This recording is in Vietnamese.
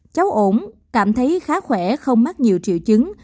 cháu ổn cảm thấy khá khỏe không mắc nhiều triệu chứng